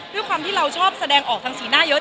ด้วยความที่เราชอบแสดงออกทางสีหน้าเยอะ